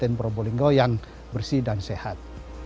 kabupaten probolinggo yang bersih dan sehat